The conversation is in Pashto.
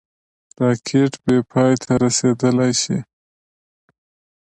راکټ بېپای ته رسېدلای شي